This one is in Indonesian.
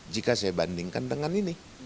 jika saya bandingkan dengan ini